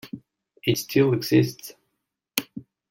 It still exists.